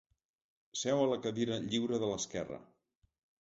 Seu a la cadira lliure de l'esquerra.